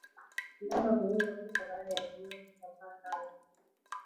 Ndama huweza kufa baada ya minyoo kusambaa sana